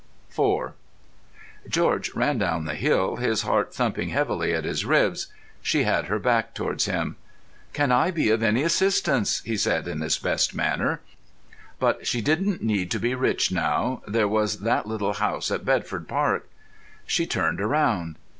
IV George ran down the hill, his heart thumping heavily at his ribs.... She had her back towards him. "Can I be of any assistance?" he said in his best manner. But she didn't need to be rich now; there was that little house at Bedford Park. She turned round.